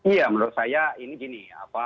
iya menurut saya ini gini